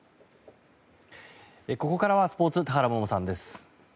ここからはスポーツ田原萌々さんです。